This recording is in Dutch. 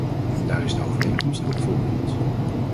Daar is de overeenkomst ook voor bedoeld.